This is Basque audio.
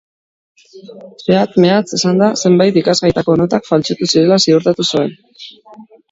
Zehatz-mehatz esanda, zenbait ikasgaitako notak faltsutu zirela ziurtatu zuen.